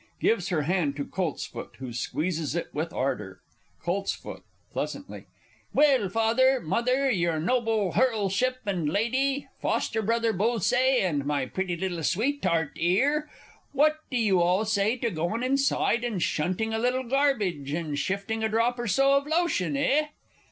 [Gives her hand to COLTSFOOT, who squeezes it with ardour. Colts. (pleasantly). Well, Father, Mother, your noble Herlship and Lady, foster brother Bullsaye, and my pretty little sweetart 'ere, what do you all say to goin' inside and shunting a little garbage, and shifting a drop or so of lotion, eh?